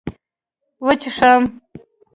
وچيښم